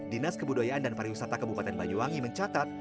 dinas kebudayaan dan pariwisata kabupaten banyuwangi mencatat